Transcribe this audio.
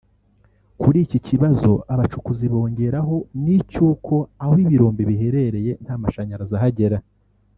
Kuri iki kibazo abacukuzi bongeraho n’icy’uko aho ibirombe biherereye nta mashanyarazi ahagera